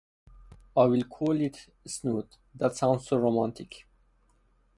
I will call it a snood — that sounds so romantic.